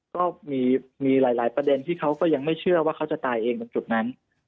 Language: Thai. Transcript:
ก็มีหลายประเด็นที่เขาก็ยังไม่เชื่อว่าเขาจะตายเองตรงจุดนั้น